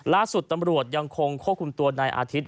ล่าสุดตำรวจยังคงควบคุมตัวนายอาทิตย